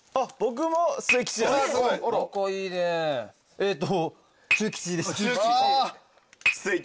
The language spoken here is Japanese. えっと。